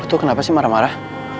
lu tuh kenapa sih marah marah